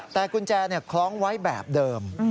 แต่กุญแจคล้องไว้แบบเดิม